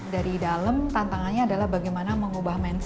dari dalam tantangannya adalah bagaimana kita bisa mengekspresikan karya karya mereka